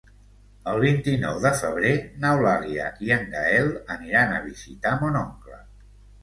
El vint-i-nou de febrer n'Eulàlia i en Gaël aniran a visitar mon oncle.